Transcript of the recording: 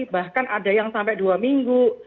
bahkan ada yang sampai dua minggu